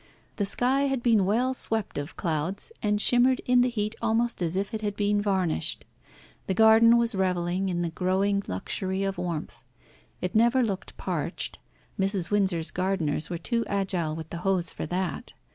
The sky had been well swept of clouds, and shimmered in the heat almost as if it had been varnished. The garden was revelling in the growing luxury of warmth. It never looked parched; Mrs. Windsor's gardeners were too agile with the hose for that.